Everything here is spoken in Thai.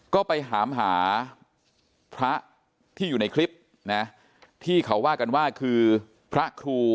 ก็ไปถามหาพระที่อยู่ในคลิปนะที่เขาว่ากันว่าคือพระครู